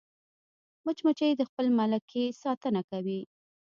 مچمچۍ د خپل ملکې ساتنه کوي